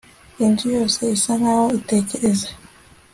inzu yose isa nkaho itekereza